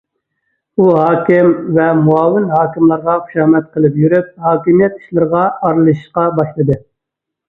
ئۇ ھاكىم ۋە مۇئاۋىن ھاكىملارغا خۇشامەت قىلىپ يۈرۈپ ھاكىمىيەت ئىشلىرىغا ئارىلىشىشقا باشلىدى.